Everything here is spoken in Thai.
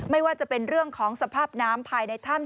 ไม่ว่าจะเป็นเรื่องของสภาพน้ำภายในถ้ำ